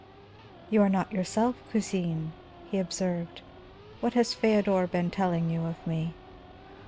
"You are not yourself, cousine," he observed. "What has Feodor been telling you of me?"